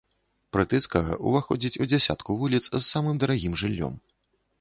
Прытыцкага ўваходзіць у дзясятку вуліц з самым дарагім жыллём.